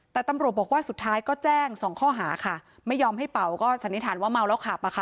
แต่ตำรวจบอกว่าสุดท้ายก็แจ้งสองข้อหาค่ะไม่ยอมให้เป่าก็สันนิษฐานว่าเมาแล้วขับอะค่ะ